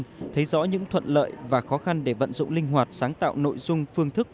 nhìn thấy rõ những thuận lợi và khó khăn để vận dụng linh hoạt sáng tạo nội dung phương thức